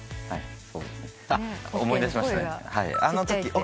はい。